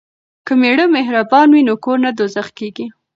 که میړه مهربان وي نو کور نه دوزخ کیږي.